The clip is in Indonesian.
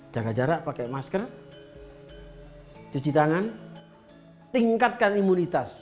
jaga jarak pakai masker cuci tangan tingkatkan imunitas